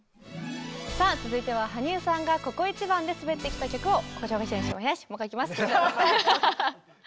さあ続いては羽生さんがここ一番で滑ってきた曲をごしょかしょもう一回いきます！